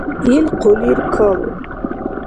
Ил хъулир калун.